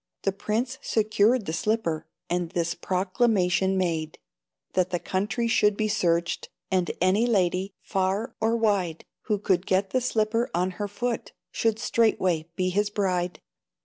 The prince secured the slipper, And this proclamation made: That the country should be searched, And any lady, far or wide, Who could get the slipper on her foot, Should straightway be his bride.